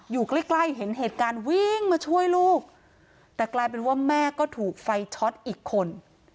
อยู่ใกล้ใกล้เห็นเหตุการณ์วิ่งมาช่วยลูกแต่กลายเป็นว่าแม่ก็ถูกไฟช็อตอีกคน